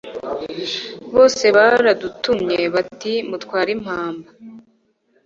bose baradutumye bati mutware impamba